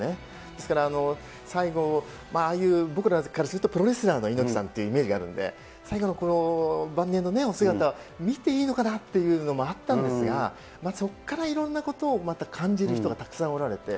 ですから、最後、ああいう僕らからすると、プロレスラーの猪木さんというイメージがあるんで、最後のこの晩年のお姿、見ていいのかなというのあったんですが、そこからいろんなことをまた感じる人がたくさんおられて、